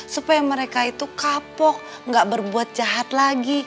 supaya mereka itu kapok gak berbuat jahat lagi